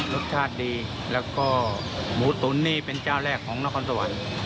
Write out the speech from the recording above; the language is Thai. รสชาติดีแล้วก็หมูตุ๋นนี่เป็นเจ้าแรกของนครสวรรค์